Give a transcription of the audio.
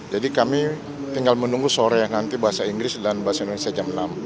jadi kami tinggal menunggu sore nanti berbahasa inggris dan berbahasa indonesia jam enam